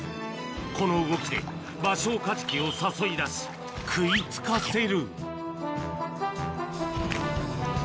この動きで、バショウカジキを誘い出し、食いつかせる。